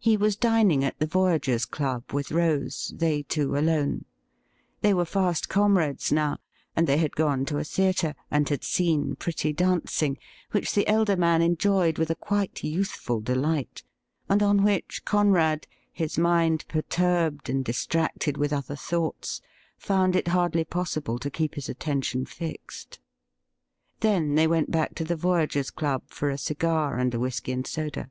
He was dining at the Voyagers' Club with Rose, they two alone. They were fast comrades now, and they had gone to a theatre, and had seen pretty dancing, which the elder man enjoyed with a quite youthful delight, and on which Conrad, his mind perturbed and distracted with other thoughts, found it hardly possible to keep his atten tion fixed. Then they went back to the Voyagers' Club for a cigar and a whisky and soda.